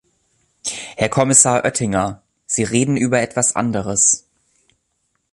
Herr Kommissar Oettinger, Sie reden über etwas anderes.